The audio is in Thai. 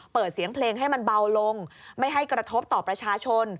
เปิดเสียงเพลงให้มันเบาลงไม่ให้กระทบต่อประชาชน